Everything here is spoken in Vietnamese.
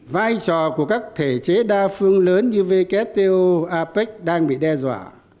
vai trò của các thể chế đa phương lớn như wto apec đang bị đe dọa